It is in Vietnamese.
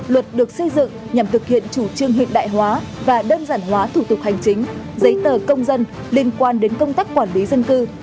luật được xây dựng nhằm thực hiện chủ trương hiện đại hóa và đơn giản hóa thủ tục hành chính giấy tờ công dân liên quan đến công tác quản lý dân cư